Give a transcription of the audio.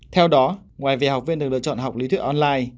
theo đó ngoài việc học viên được lựa chọn học lý thuyết online